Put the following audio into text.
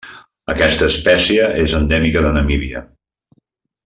Aquesta espècie és endèmica de Namíbia.